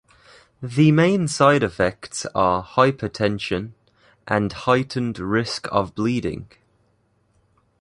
The main side effects are hypertension and heightened risk of bleeding.